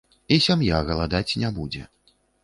І сям'я галадаць не будзе.